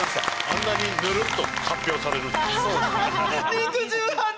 あんなにヌルッと発表される。